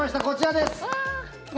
こちらです。